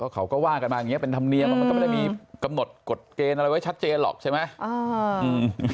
เขาก็ว่ากันมาอย่างนี้เป็นธรรมเนียมมันก็ไม่ได้มีกำหนดกฎเกณฑ์อะไรไว้ชัดเจนหรอกใช่ไหม